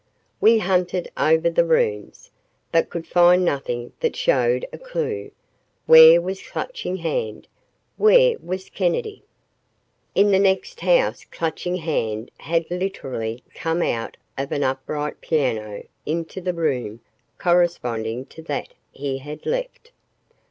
We hunted over the rooms, but could find nothing that showed a clue. Where was Clutching Hand? Where was Kennedy? In the next house Clutching Hand had literally come out of an upright piano into the room corresponding to that he had left.